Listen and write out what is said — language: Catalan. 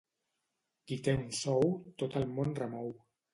Qui té un sou tot el món remou.